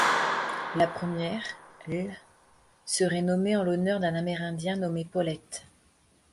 La première, l', serait nommée en l'honneur d'un amérindien nommé Pollett.